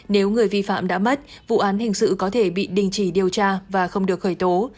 nếu người vi phạm đã mất vụ án hình sự có thể bị đình chỉ điều tra và không được khởi tố